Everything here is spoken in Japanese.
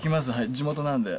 地元なんで。